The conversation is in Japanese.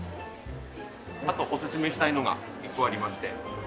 あとおすすめしたいのが１個ありまして。